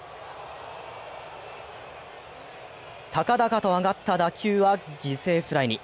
高々と上がった打球は犠牲フライに。